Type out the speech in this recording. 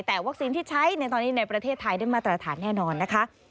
แต่วัคซีนที่ใช้ในตอนนี้ในประเทศไทยได้มาตรฐานแน่นอนนะคะ